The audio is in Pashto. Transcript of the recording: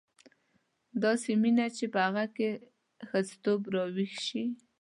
داسې مینه چې په هغه کې ښځتوب راویښ شي.